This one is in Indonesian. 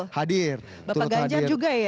hadir bapak ganjar juga ya